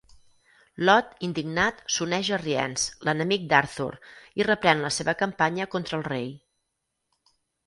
Lot, indignat, s'uneix a Rience, l'enemic d'Arthur, i reprèn la seva campanya contra el rei.